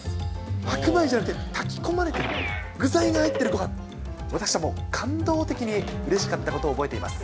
白米じゃなくて、炊き込まれている、具材が入っているのが私はもう、感動的にうれしかったことを覚えています。